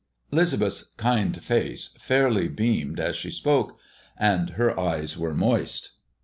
'Lisbeth's kind face fairly beamed as she spoke, and her eyes were moist.